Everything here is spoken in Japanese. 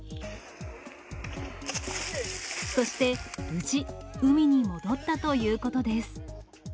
そして無事、海に戻ったということです。